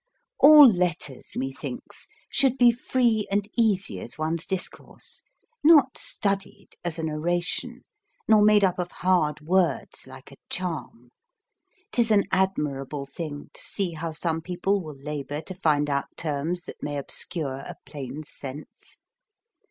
All letters, methinks, should be free and easy as one's discourse; not studied as an oration, nor made up of hard words like a charm. 'Tis an admirable thing to see how some people will labour to find out terms that may obscure a plain sense.